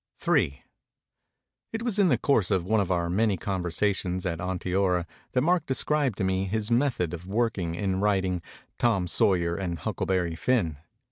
264 MEMORIES OF MARK TWAIN III IT was in the course of one of our many con versations at Onteora that Mark described to me his method of work in writing 'Tom Sawyer* and ' Huckleberry Finn.'